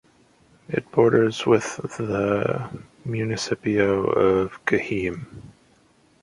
It borders with the municipio of Cajeme.